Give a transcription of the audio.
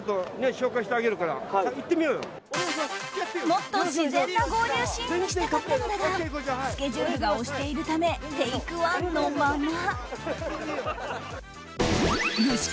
もっと自然な合流シーンにしたかったのだがスケジュールが押しているためテイクワンのまま。